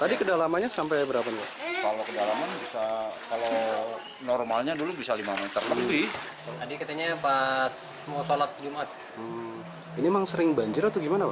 iya memang udah sering banjir